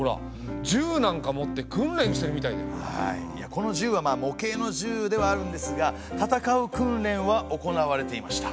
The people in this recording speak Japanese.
この銃はまあ模型の銃ではあるんですが戦う訓練は行われていました。